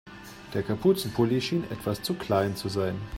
Der Kapuzenpulli schien etwas zu klein zu sein.